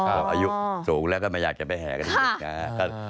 ก็อายุสูงแล้วก็ไม่อยากจะไปแห่กันอีกนะครับ